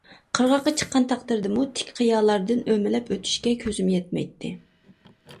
قىرغاققا چىققان تەقدىردىمۇ تىك قىيالاردىن ئۆمىلەپ ئۆتۈشكە كۆزۈم يەتمەيتتى.